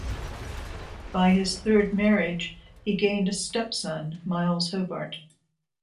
By his third marriage he gained a stepson, Miles Hobart.